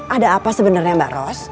ada apa sebenarnya mbak ros